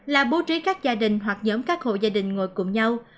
là bố trí các gia đình hoặc nhóm các hộ gia đình ngồi cùng nhau